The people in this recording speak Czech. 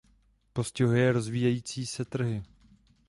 Postihuje rozvíjející se trhy.